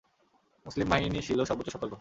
মুসলিম বাহিনী ছিল সর্বোচ্চ সতর্ক।